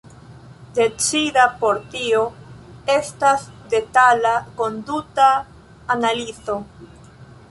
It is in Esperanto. Decida por tio estas detala konduta analizo.